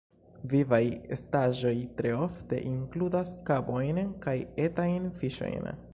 Vivaj estaĵoj tre ofte inkludas krabojn kaj etajn fiŝojn.